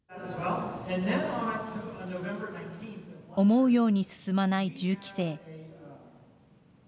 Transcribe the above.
思うように進まない銃規制。